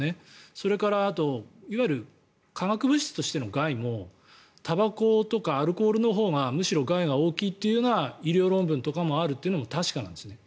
それからあといわゆる化学物質としての害もたばことかアルコールのほうがむしろ害が大きいという医療論文とかもあるというのも確かなんです。